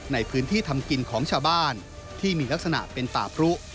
ในพื้นที่ทำกินของชาวบ้านที่มีลักษณะเป็นป่าพรุ